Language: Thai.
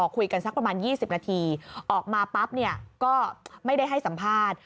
คุยกันสักประมาณ๒๐นาทีออกมาปั๊บก็ไม่ได้ให้สัมภาษณ์